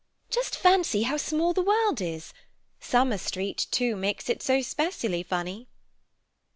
"Just fancy how small the world is. Summer Street, too, makes it so specially funny."